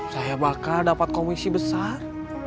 saya bakal dapat komisi besar